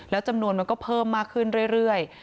แล้วจำนวนมันก็เพิ่มมากขึ้นเรื่อย